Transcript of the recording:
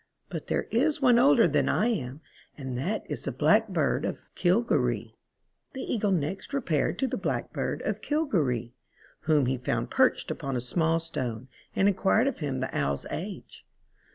But there is one older than I am, and that is the Black bird of Cilgwri." The Eagle next repaired to the Blackbird of Cilgwri, whom he found perched upon a small stone, and enquired of him the Owl's age.